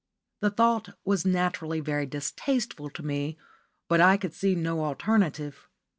The thought was naturally very distasteful to me, but I could see no alternative.